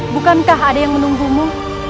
bukankah ada yang menunggumu